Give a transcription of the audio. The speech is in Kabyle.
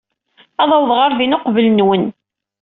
Ad awḍeɣ ɣer din uqbel-nwen.